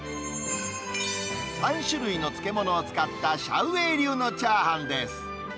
３種類の漬物を使ったシャウ・ウェイ流のチャーハンです。